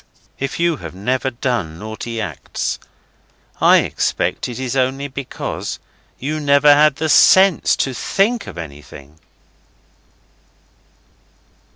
If you have never done naughty acts I expect it is only because you never had the sense to think of anything.